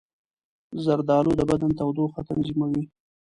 زردالو د بدن تودوخه تنظیموي.